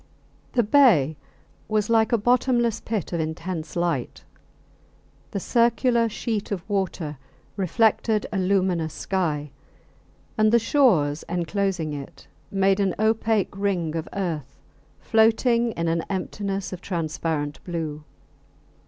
The bay was like a bottomless pit of intense light. The circular sheet of water reflected a luminous sky, and the shores enclosing it made an opaque ring of earth floating in an emptiness of transparent blue.